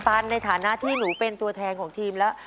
ตันในฐานะที่หนูเป็นตัวแทนของทีมแล้ว